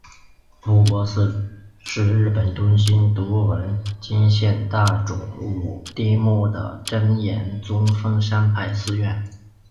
护国寺是日本东京都文京区大冢五丁目的真言宗丰山派寺院。